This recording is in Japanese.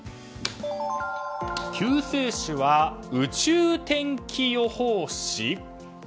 救世主は宇宙天気予報士？